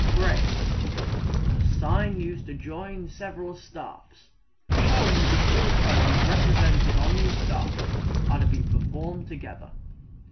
Brace the sign used to join several staffs, showing that all tones represented on these staffs are to be performed together.